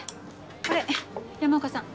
これ山岡さん。